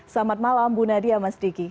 selamat malam bu nadia mas diki